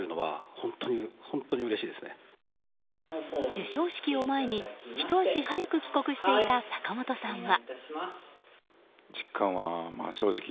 授賞式を前にひと足早く帰国していた坂元さんは。